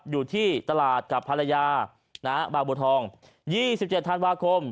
อยู่ที่ตลาดกับภรรยานะฮะบางบัวทองยี่สิบเจ็ดธันวาคม